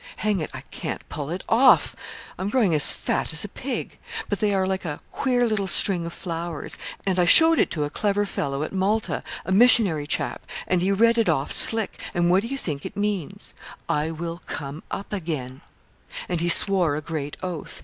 Hang it, I can't pull it off I'm growing as fat as a pig but they are like a queer little string of flowers; and I showed it to a clever fellow at Malta a missionary chap and he read it off slick, and what do you think it means: "I will come up again;"' and he swore a great oath.